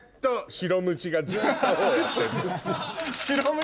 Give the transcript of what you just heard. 白ムチ。